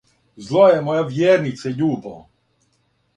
"Зло је моја вијернице љубо!"